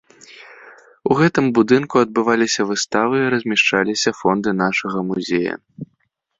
У гэтым будынку адбываліся выставы і размяшчаліся фонды нашага музея.